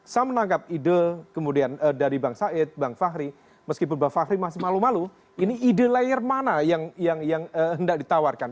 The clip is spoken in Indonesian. saya menangkap ide kemudian dari bang said bang fahri meskipun bang fahri masih malu malu ini ide layer mana yang hendak ditawarkan